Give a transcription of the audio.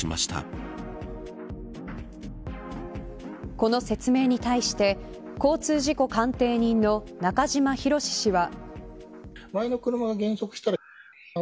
この説明に対して交通事故鑑定人の中島博史氏は。